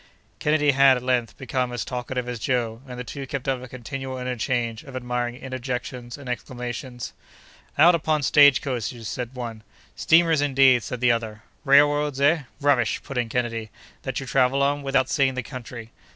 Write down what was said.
Kennedy had, at length, become as talkative as Joe, and the two kept up a continual interchange of admiring interjections and exclamations. "Out upon stage coaches!" said one. "Steamers indeed!" said the other. "Railroads! eh? rubbish!" put in Kennedy, "that you travel on, without seeing the country!"